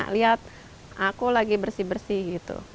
lihat aku lagi bersih bersih gitu